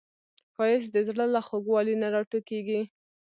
ښایست د زړه له خوږوالي نه راټوکېږي